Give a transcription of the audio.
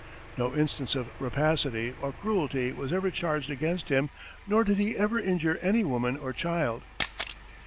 No instance of rapacity or cruelty was ever charged against him, nor did he ever injure any woman or child.